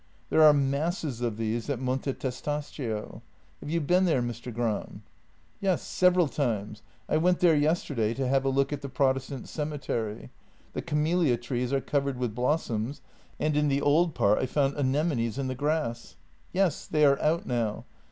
" There are masses of these at Monte Testaccio. Have you been there, Mr. Gram? "" Yes, several times. I went there yesterday to have a look at the Protestant cemetery. The camelia trees are covered with blossoms, and in the old part I found anemones in the grass." " Yes, they are out now.